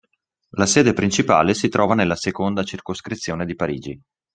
La sede principale si trova nella Seconda Circoscrizione di Parigi.